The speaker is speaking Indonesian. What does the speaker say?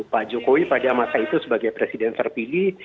pak jokowi pada masa itu sebagai presiden terpilih